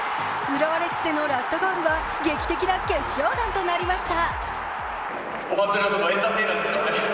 浦和レッズでのラストゴールは劇的な決勝弾となりました。